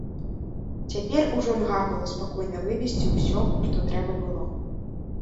Цяпер ужо льга было спакойна вывезці ўсё, што трэба было.